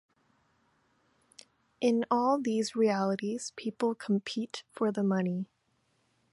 In all these realities people compete for the money.